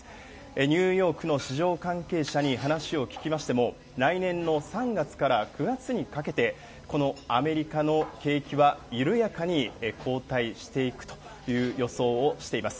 ニューヨークの市場関係者に話を聞きましても、来年の３月から９月にかけて、このアメリカの景気は緩やかに後退していくという予想をしています。